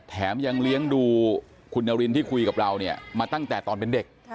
แถมยังเลี้ยงดูคุณนารินที่คุยกับเราเนี่ยมาตั้งแต่ตอนเป็นเด็ก